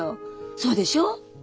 そうでしょ？